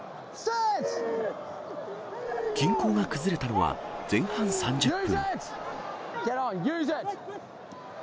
均衡が崩れたのは、前半３０分。